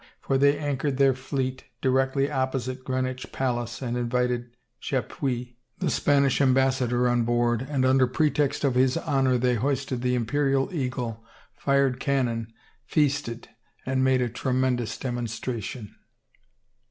For they anchored their fleet directly opposite Greenwich palace and invited Chapuis, the Spanish ambassador on board, and under pretext of his honor they hoisted the Imperial eagle, fired cannon, feasted and made a tremendous demonstration.